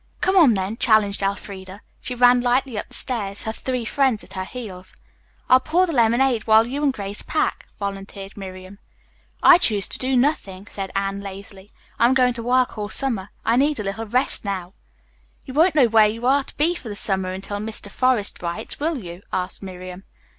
"Come on, then," challenged Elfreda. She ran lightly up the stairs, her three friends at her heels. "I'll pour the lemonade while you and Grace pack," volunteered Miriam. "I choose to do nothing," said Anne lazily. "I am going to work all summer. I need a little rest now." "You won't know where you are to be for the summer until Mr. Forest writes, will you?" asked Miriam.